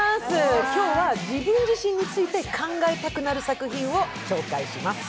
今日は自分自身について考えたくなる作品を紹介します。